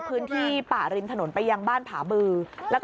พื้นที่ป่าลินถนนไปยังบ้านผ่าบือ